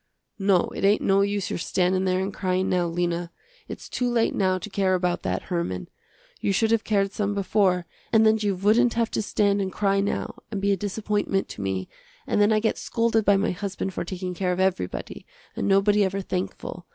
"No, it ain't no use your standin' there and cryin', now, Lena. Its too late now to care about that Herman. You should have cared some before, and then you wouldn't have to stand and cry now, and be a disappointment to me, and then I get scolded by my husband for taking care of everybody, and nobody ever thankful.